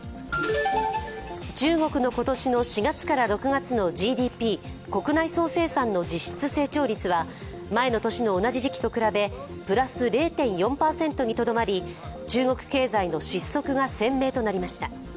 中国の今年の４月から６月のＧＤＰ＝国内総生産の実質成長率は前の年の同じ時期と比べプラス０．４％にとどまり、中国経済の失速が鮮明となりました。